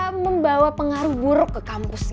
ya membawa pengaruh buruk ke kampus gitu pak